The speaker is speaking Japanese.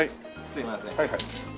すいません。